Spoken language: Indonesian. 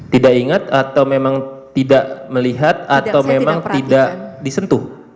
tidak ingat atau memang tidak melihat atau memang tidak disentuh